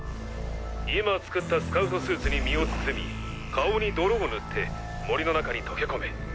今作ったスカウトスーツに身を包み顔に泥を塗って森の中に溶け込め。